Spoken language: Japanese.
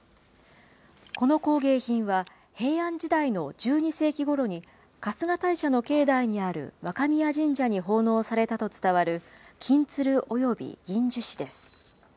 この工芸品は、平安時代の１２世紀ごろに、春日大社の境内にある若宮神社に奉納されたと伝わる金鶴及銀樹枝です。